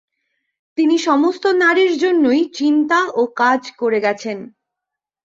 তিনি সমস্ত নারীর জন্যই চিন্তা ও কাজ করে গেছেন।